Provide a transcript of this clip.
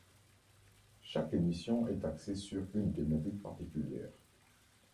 Chaque émission est axée sur une thématique particulière.